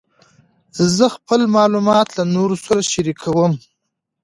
زه خپل معلومات له نورو سره شریکوم.